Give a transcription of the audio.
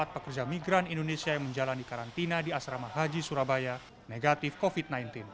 empat pekerja migran indonesia yang menjalani karantina di asrama haji surabaya negatif covid sembilan belas